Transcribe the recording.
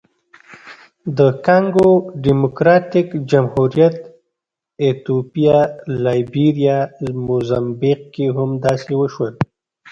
د کانګو ډیموکراتیک جمهوریت، ایتوپیا، لایبیریا، موزمبیق کې هم داسې وشول.